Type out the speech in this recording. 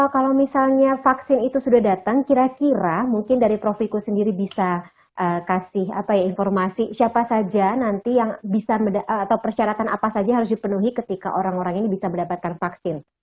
kalau misalnya vaksin itu sudah datang kira kira mungkin dari prof viko sendiri bisa kasih informasi siapa saja nanti yang bisa atau persyaratan apa saja harus dipenuhi ketika orang orang ini bisa mendapatkan vaksin